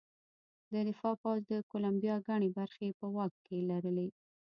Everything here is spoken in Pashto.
د دفاع پوځ د کولمبیا ګڼې برخې په واک کې لرلې.